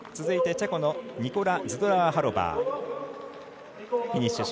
続いてチェコのニコラ・ズドラーハロバー。